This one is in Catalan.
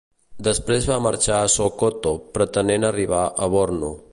Després va marxar a Sokoto pretenent arribar a Bornu.